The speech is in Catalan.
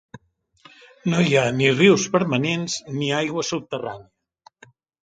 No hi ha ni rius permanents ni aigua subterrània.